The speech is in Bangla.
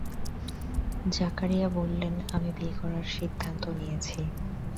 জাকারিয়া বললেন, আমি বিয়ে করার সিদ্ধান্ত নিয়েছি।